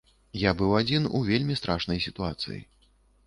Я быў адзін у вельмі страшнай сітуацыі.